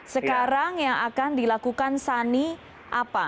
sekarang yang akan dilakukan sani apa